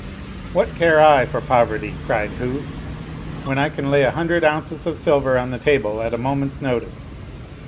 " What care I for poverty," cried Hu, " when I can lay a hundred ounces of silver on the table at a mo ment's notice?"